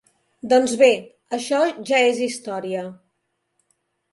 Doncs bé, això ja és història.